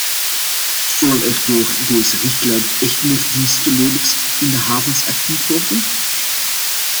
Zullen er door deze richtlijn echt meer dienstverleners in de havens actief worden?